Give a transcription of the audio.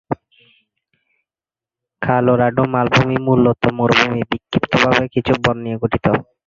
Colorado মালভূমি মূলত মরুভূমি, বিক্ষিপ্ত ভাবে কিছু বন নিয়ে গঠিত।